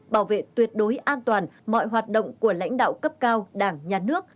bảo vệ tuyệt đối an toàn mọi hoạt động của lãnh đạo cấp cao đảng nhà nước